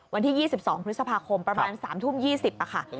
วันที่๒๒พฤษภาคมประมาณ๓ทุ่ม๒๐ค่ะ